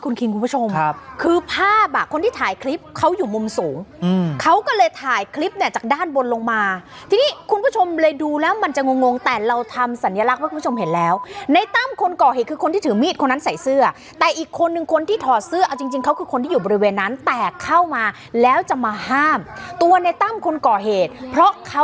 คิงคุณผู้ชมครับคือภาพอ่ะคนที่ถ่ายคลิปเขาอยู่มุมสูงเขาก็เลยถ่ายคลิปเนี่ยจากด้านบนลงมาทีนี้คุณผู้ชมเลยดูแล้วมันจะงงแต่เราทำสัญลักษณ์ให้คุณผู้ชมเห็นแล้วในตั้มคนก่อเหตุคือคนที่ถือมีดคนนั้นใส่เสื้อแต่อีกคนนึงคนที่ถอดเสื้อเอาจริงจริงเขาคือคนที่อยู่บริเวณนั้นแตกเข้ามาแล้วจะมาห้ามตัวในตั้มคนก่อเหตุเพราะเขา